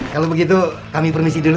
kalau begitu kami permisi dulu